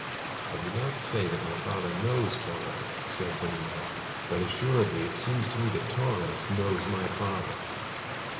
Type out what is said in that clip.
"I do not say that my father knows Torres," said Benito; "but assuredly it seems to me that Torres knows my father.